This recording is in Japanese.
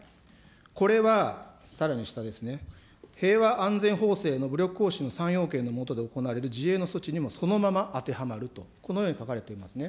これはさらに下ですね、平和安全法制の武力行使の３要件の下で行われる自衛の措置にもそのまま当てはまると、このように書かれていますね。